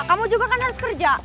kamu juga kan harus kerja